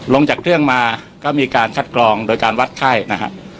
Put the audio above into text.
ลงจากเครื่องมาก็มีการคัดกรองโดยการวัดไข้นะฮะ